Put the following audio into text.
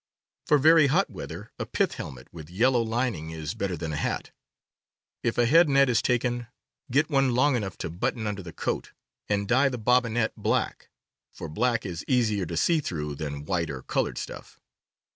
For very hot weather a pith helmet with yellow lining is better than a hat. If a head net is taken, get one long enough to button under the coat, and dye the bobbinet black, for black ,^ is easier to see through than white or colored stuff.